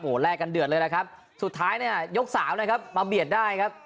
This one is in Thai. แลกกันเดือดเลยแหละครับสุดท้ายเนี่ยยกสามนะครับมาเบียดได้ครับ